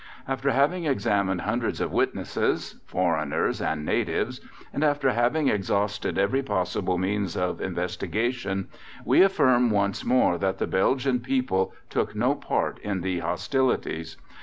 After having examined hundreds of witnesses foreigners and natives and after having exhausted every possible means of investigation, we affirm once more that the Belgian people took no part in the hostilities.